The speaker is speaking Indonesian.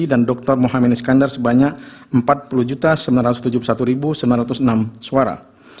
dan dr mohamad iskandar sebanyak empat puluh sembilan ratus tujuh puluh satu sembilan ratus enam suara